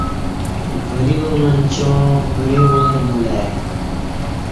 وری وا منچا وری وار بولہ ا ی